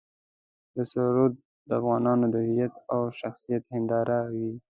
دا سرود د افغانانو د هویت او شخصیت هنداره وي.